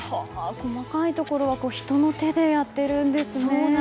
細かいところは人の手でやっているんですね。